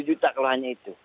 lima puluh juta kalau hanya itu